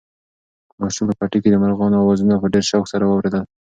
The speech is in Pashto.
ماشوم په پټي کې د مرغانو اوازونه په ډېر شوق سره اورېدل.